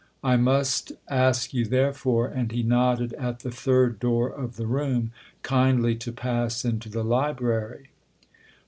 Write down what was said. I must ask you, therefore " and he nodded at the third door of the room " kindly to pass into the library."